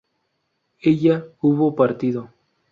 ella hubo partido